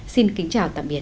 xin kính chào tạm biệt